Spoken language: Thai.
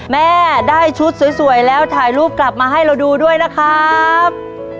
แม่ได้ชุดสวยแล้วถ่ายรูปกลับมาให้เราดูด้วยนะครับ